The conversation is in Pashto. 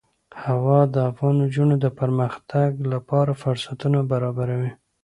هوا د افغان نجونو د پرمختګ لپاره فرصتونه برابروي.